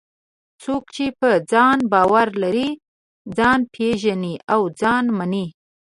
څوک چې په ځان باور لري، ځان پېژني او ځان مني.